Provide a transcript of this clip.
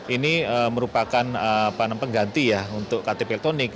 ini merupakan penem pengganti untuk ektp elektronik